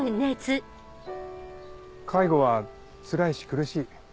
介護はつらいし苦しい。